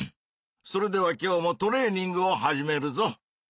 それでは今日もトレーニングを始めるぞ！